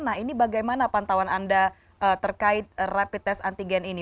nah ini bagaimana pantauan anda terkait rapid test antigen ini